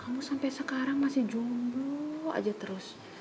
kamu sampai sekarang masih jumbo aja terus